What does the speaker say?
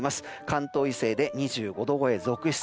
関東以西で２５度超え続出。